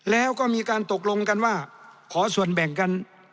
แล้วก็มีการตกลงกันว่าขอส่วนแบ่งกัน